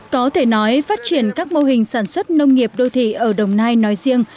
có thể nói phát triển các mô hình sản xuất nông nghiệp đô thị ở đồng nai nói riêng